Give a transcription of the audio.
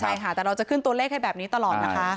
ใช่ค่ะแต่เราจะขึ้นตัวเลขให้แบบนี้ตลอดนะคะ